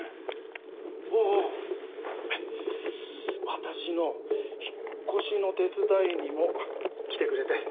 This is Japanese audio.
私の引っ越しの手伝いにも来てくれて。